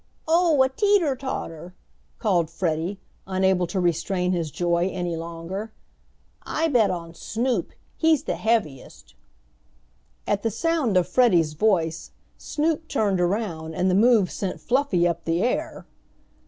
"Oh, a teeter tauter!" called Freddie, unable to restrain his joy any longer. "I bet on Snoop. He's the heaviest." At the sound of Freddie's voice Snoop turned around and the move sent Fluffy up the air.